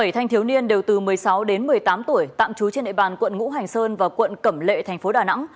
một mươi thanh thiếu niên đều từ một mươi sáu đến một mươi tám tuổi tạm trú trên địa bàn quận ngũ hành sơn và quận cẩm lệ thành phố đà nẵng